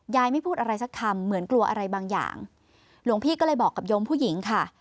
ไม่พูดอะไรสักคำเหมือนกลัวอะไรบางอย่างหลวงพี่ก็เลยบอกกับโยมผู้หญิงค่ะ